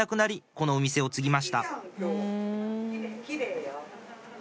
このお店を継ぎました